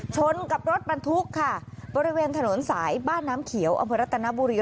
ชนกับรถบรรทุกค่ะบริเวณถนนสายบ้านน้ำเขียวอำเภอรัตนบุรี